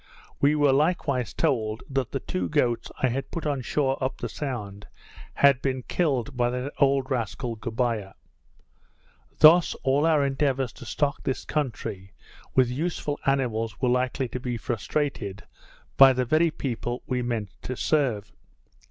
We were likewise told, that the two goats I had put on shore up the Sound, had been killed by that old rascal Goubiah. Thus all our endeavours to stock this country with useful animals were likely to be frustrated, by the very people we meant to serve.